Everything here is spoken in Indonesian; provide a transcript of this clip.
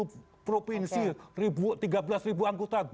ini provinsi tiga belas anggota